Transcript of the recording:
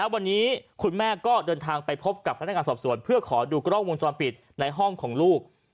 วันนี้คุณแม่ก็เดินทางไปพบกับพนักงานสอบสวนเพื่อขอดูกล้องวงจรปิดในห้องของลูก